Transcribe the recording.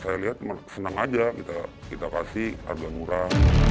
saya lihat senang aja kita kasih harga murah